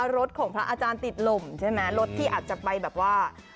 รถของพระอาจารย์ติดลมใช่ไหมรถที่อาจจะไปแบบว่า